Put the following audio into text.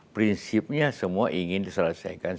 prinsipnya semua ingin diselesaikan